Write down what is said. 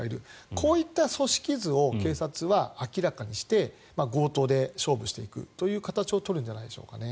こういった組織図を警察は明らかにして強盗で勝負していくという形を取るんじゃないでしょうかね。